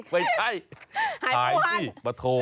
ไม่ใช่หายสิมาโทร